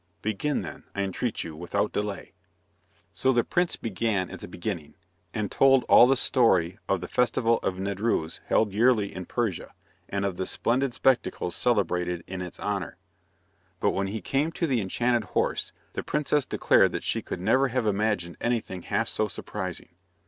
Begin then, I entreat you, without delay." So the prince began at the beginning, and told all the story of the festival of Nedrouz held yearly in Persia, and of the splendid spectacles celebrated in its honour. But when he came to the enchanted horse, the princess declared that she could never have imagined anything half so surprising.